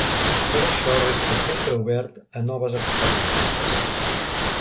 Per això resta sempre obert a noves experiències.